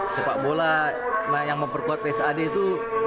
sepak bola yang memperkuat psad itu